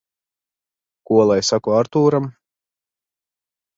Ko lai saku Artūram?